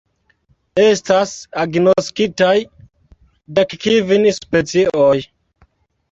Estas agnoskitaj dekkvin specioj.